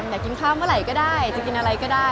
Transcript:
อยากกินข้าวเมื่อไหร่ก็ได้จะกินอะไรก็ได้